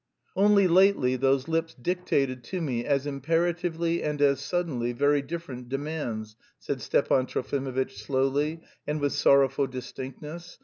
"Only lately those lips dictated to me as imperatively and as suddenly very different demands," said Stepan Trofimovitch slowly and with sorrowful distinctness.